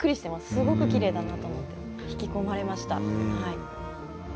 すごくきれいだなって引き込まれました。